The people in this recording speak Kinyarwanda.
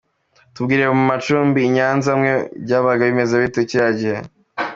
Tubwire mu macumbi i Nyanza mwe byabaga bimeze bite kiriya gihe?.